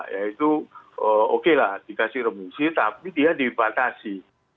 yaitu oke lah dikasih remisi tapi dia dibatasi